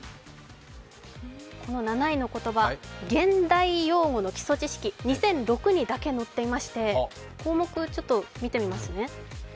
この７位の言葉、「現代用語の基礎知識２００６」にだけ載っていまして項目、ちょっと見て見ますね。